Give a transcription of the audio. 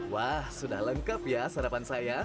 wah sudah lengkap ya sarapan saya